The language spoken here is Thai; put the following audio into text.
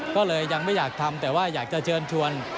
ก็เลยยังไม่อยากทำแต่ว่าอยากจะเชิญชวน